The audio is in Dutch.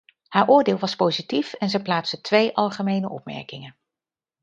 Haar oordeel was positief en zij plaatste twee algemene opmerkingen.